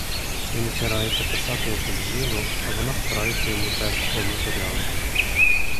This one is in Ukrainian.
Він збирається писати якесь діло, а вона старається йому теж о матеріал.